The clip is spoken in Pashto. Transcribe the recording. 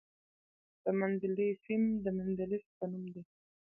د مندلیفیم د مندلیف په نوم دی.